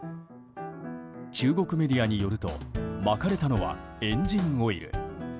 中国メディアによるとまかれたのはエンジンオイル。